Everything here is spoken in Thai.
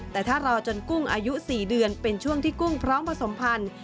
แต่ถ้ารอจนกุ้งอายุ๔เดือนเป็นช่วงที่กุ้งพร้อมผสมพันธุ์